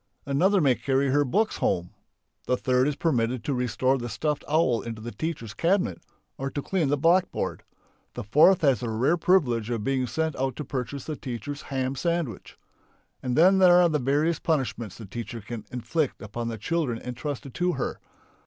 another may carry her books home; the third is permitted to restore the stuffed owl into the teacher's cabinet, or to clean the blackboard; the fourth has the rare privilege of being sent out to purchase the teacher's ham sandwich! And then there are the various punishments the teacher can inflict upon the children entrusted to her.